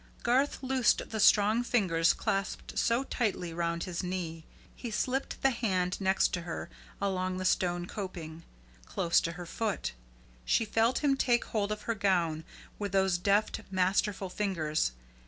Garth loosed the strong fingers clasped so tightly round his knee. He slipped the hand next to her along the stone coping, close to her foot. She felt him take hold of her gown with those deft, masterful fingers.